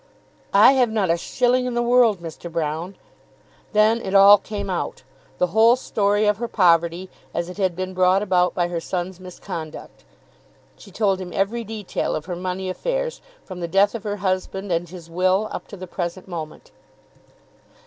"I have not a shilling in the world, Mr. Broune." Then it all came out, the whole story of her poverty, as it had been brought about by her son's misconduct. She told him every detail of her money affairs from the death of her husband, and his will, up to the present moment.